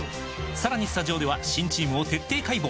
さらにスタジオでは新チームを徹底解剖！